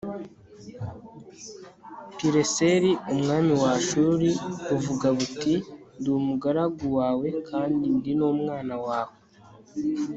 pileseri umwami wa ashuri buvuga buti ndi umugaragu wawe kandi ndi n'umwana wawe